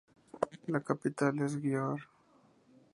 La capital es Győr.